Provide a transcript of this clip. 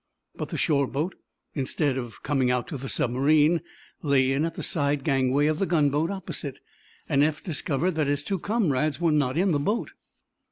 But the shore boat, instead of coming out to the submarine, lay in at the side gangway of the gunboat opposite, and Eph discovered that his two comrades were not in the boat.